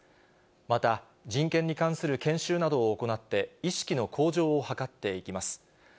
また、人権に関する研修などを行って、意識の向上を図っていきます。